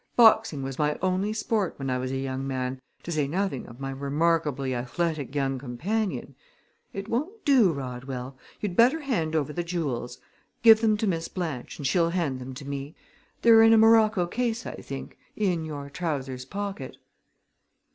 Boxing was my only sport when I was a young man, to say nothing of my remarkably athletic young companion. It won't do, Rodwell! You'd better hand over the jewels. Give them to Miss Blanche and she'll hand them to me. They're in a morocco case, I think, in your trousers pocket."